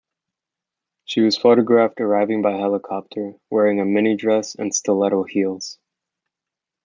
She was photographed arriving by helicopter, wearing a mini-dress and stiletto heels.